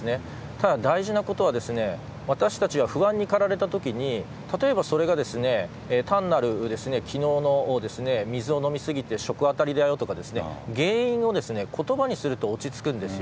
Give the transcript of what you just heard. ただ、大事なことは私たちが不安に駆られたときに例えばそれが単なる昨日の水を飲みすぎて食あたりだよとか原因を言葉にすると落ち着くんです。